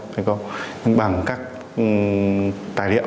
bằng các tài liệu và bằng các biện pháp vụ